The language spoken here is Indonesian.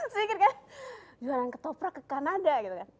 semisal kan jualan ke toprak ke kanada gitu kan